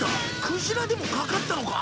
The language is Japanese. クジラでもかかったのか？